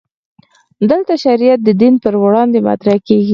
دلته شریعت د دین پر وړاندې مطرح کېږي.